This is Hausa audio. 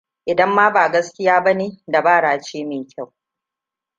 Idan ma ba gaskiya ba ne, dabara ce mai kyau.